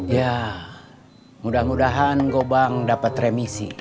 ya mudah mudahan gobang dapat remisi